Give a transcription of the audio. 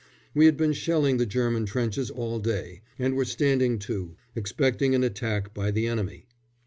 We had been shelling the German trenches all day, and were standing to, expecting an attack by the enemy.